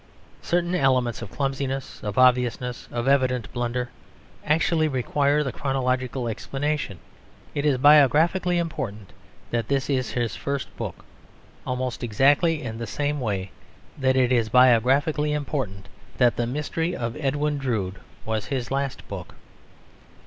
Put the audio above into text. Certain elements of clumsiness, of obviousness, of evident blunder, actually require the chronological explanation. It is biographically important that this is his first book, almost exactly in the same way that it is biographically important that The Mystery of Edwin Drood was his last book.